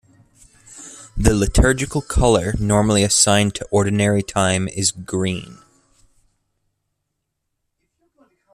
The liturgical color normally assigned to Ordinary Time is green.